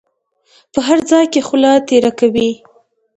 په هر ځای کې خوله تېره کوي.